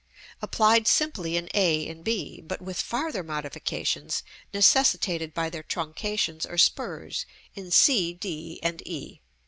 applied simply in a and b, but with farther modifications, necessitated by their truncations or spurs, in c, d, and e.